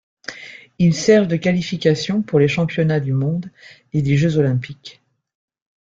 Ils servent de qualifications pour les championnats du monde et les jeux olympiques.